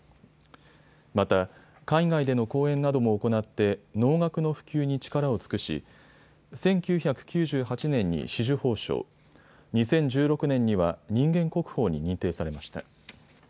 また、海外での公演なども行って能楽の普及に力を尽くし１９９８年に紫綬褒章、２０１６年には人間国宝に認定されました。